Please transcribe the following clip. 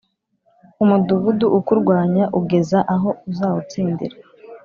Umudugudu ukurwanya ugeza aho uzawutsindira.